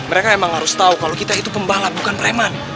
mereka emang harus tahu kalau kita itu pembalap bukan preman